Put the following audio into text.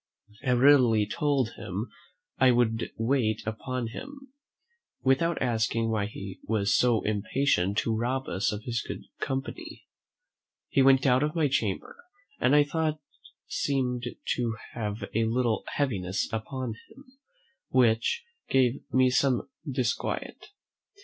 I readily told him "I would wait upon him" without asking why he was so impatient to rob us of his good company. He went out of my chamber, and I thought seemed to have a little heaviness upon him, which gave me some disquiet.